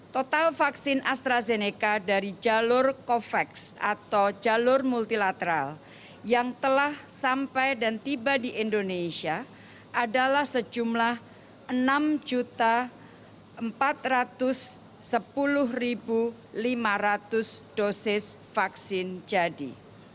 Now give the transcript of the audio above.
total vaksin astrazeneca dari jalur covax atau jalur multilateral yang telah sampai dan tiba di indonesia adalah sejumlah enam empat ratus sepuluh lima ratus dosis vaksin jadi